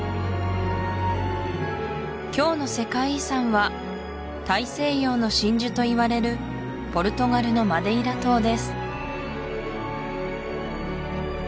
今日の世界遺産は大西洋の真珠といわれるポルトガルのマデイラ島です